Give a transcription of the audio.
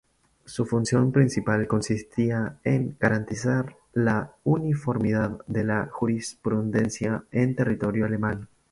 Su función principal consistía en garantizar la uniformidad de la jurisprudencia en territorio alemán.